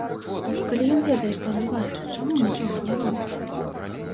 Калі ён ведае, што адбываецца, чаму нічога не робіць.